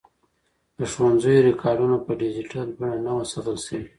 د ښوونځیو ریکارډونه په ډیجیټل بڼه نه وو ساتل سوي.